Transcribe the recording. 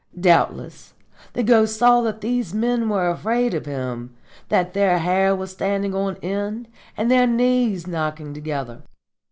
Doubtless the Ghost saw that these men were afraid of him, that their hair was standing on end and their knees knocking together.